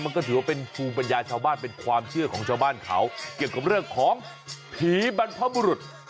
มันก็ถือว่าเป็นภูมิปัญญาชาวบ้านเป็นความเชื่อของชาวบ้านเขาเกี่ยวกับเรื่องของผีบรรพบุรุษ